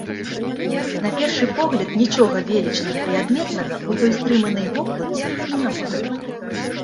На першы погляд нічога велічнага і адметнага ў той стрыманай вокладцы і няма.